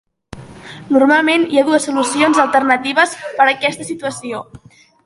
Normalment hi ha dues solucions alternatives per a aquesta situació.